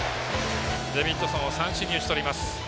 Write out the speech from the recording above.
デビッドソンを三振に打ち取ります。